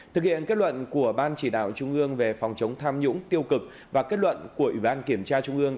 thực hiện kết luận của ban chỉ đạo trung ương về phòng chống tham nhũng tiêu cực và kết luận của ủy ban kiểm tra trung ương